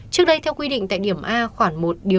trước đây theo quy định tại điểm a khoảng một điều